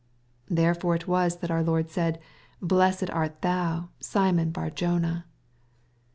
Therefore it was that our Lord said, " Blessed art thou, Simon Bar jona."